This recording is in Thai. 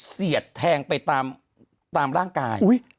เสียดแทงไปตามร่างกาย